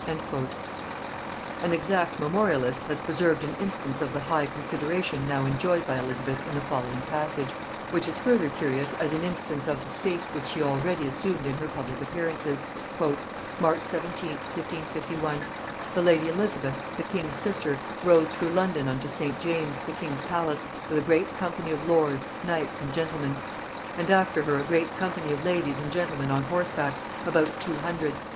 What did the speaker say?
An exact memorialist has preserved an instance of the high consideration now enjoyed by Elizabeth in the following passage, which is further curious as an instance of the state which she already assumed in her public appearances. "March 17th (1551). The lady Elizabeth, the king's sister, rode through London unto St. James's, the king's palace, with a great company of lords, knights, and gentlemen; and after her a great company of ladies and gentlemen on horseback, about two hundred.